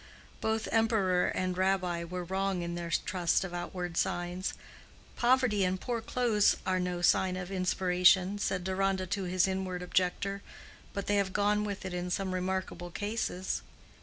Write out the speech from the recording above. Both Emperor and Rabbi were wrong in their trust of outward signs: poverty and poor clothes are no sign of inspiration, said Deronda to his inward objector, but they have gone with it in some remarkable cases.